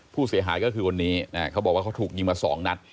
ผู้เสียหายก็คือคนนี้เขาบอกว่าเขาถูกยิงมา๒นัด